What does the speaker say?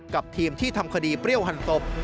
กับทีมที่ทำคดีเปรี้ยวหันศพ